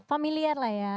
familiar lah ya